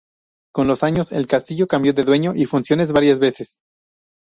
Con los años, el castillo cambió de dueño y funciones varias veces.